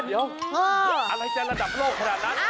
เดี๋ยวอะไรจะระดับโลกขนาดนั้น